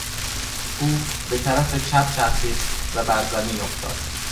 او به طرف چپ چرخید و بر زمین افتاد.